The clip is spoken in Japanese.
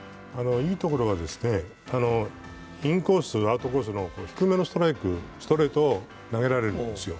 いいところはインコース、アウトコースの低めのストライク、ストレートを投げられるんですよ。